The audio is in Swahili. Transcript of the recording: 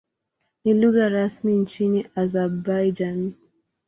Ni lugha rasmi nchini Azerbaijan.